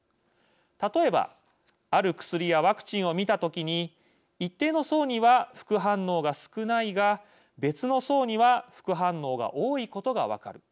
例えばある薬やワクチンを見た時に一定の層には副反応が少ないが別の層には副反応が多いことが分かる。